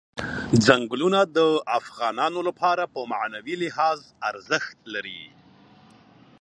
ځنګلونه د افغانانو لپاره په معنوي لحاظ ارزښت لري.